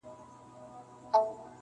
چي مي غزلي ورته لیکلې -